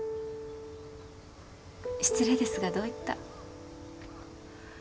失礼ですがどういった？